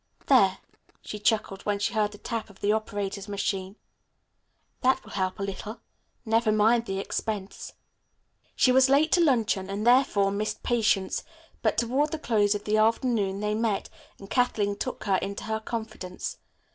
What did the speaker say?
"There," she chuckled when she heard the tap of the operator's machine, "that will help a little. Never mind the expense." She was late to luncheon, and therefore missed Patience, but toward the close of the afternoon they met, and Kathleen took her into her confidence.